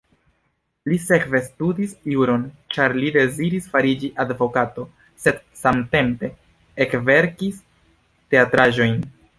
Li sekve studadis juron, ĉar li deziris fariĝi advokato, sed samtempe ekverkis teatraĵojn.